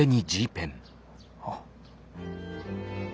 あっ。